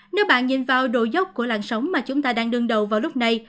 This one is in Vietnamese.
nếu bạn nhìn vào độ dốc của làn sóng mà chúng ta đang đương đầu vào lúc này